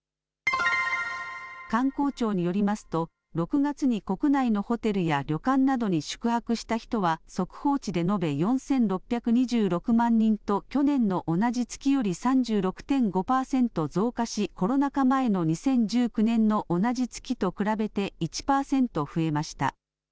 観光庁によりますと６月に国内のホテルや旅館などに宿泊した人は速報値で延べ４６２６万人と去年の同じ月より３６．５％増加しコロナ禍前の２０１９年の同じ月と比べて１％増えました。